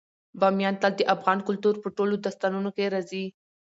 بامیان تل د افغان کلتور په ټولو داستانونو کې راځي.